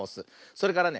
それからね